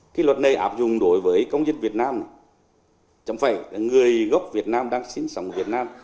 cái luật này áp dụng đối với công dân việt nam chẳng phải là người gốc việt nam đang sinh sống ở việt nam